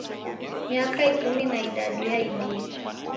Miaka ikumi na idadu yaidie.